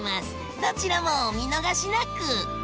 どちらもお見逃しなく！